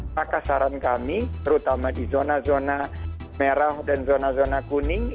maka saran kami terutama di zona zona merah dan zona zona kuning